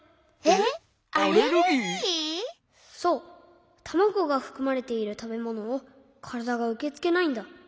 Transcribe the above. そうたまごがふくまれているたべものをからだがうけつけないんだ。